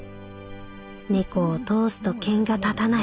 猫を通すと険が立たない」。